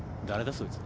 そいつ。